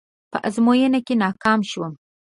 په ازموينه کې ناکام شوم.